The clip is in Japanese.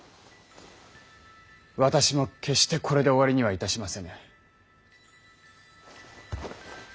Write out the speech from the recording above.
私も決してこれで終わりにはいたしませぬ。